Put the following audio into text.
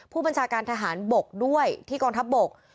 ผู้บัญชาการทหารบกด้วยที่กองทัพบก